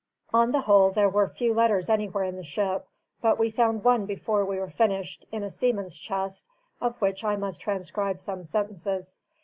On the whole, there were few letters anywhere in the ship; but we found one before we were finished, in a seaman's chest, of which I must transcribe some sentences.